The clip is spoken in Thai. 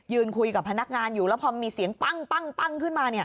คุยกับพนักงานอยู่แล้วพอมีเสียงปั้งขึ้นมา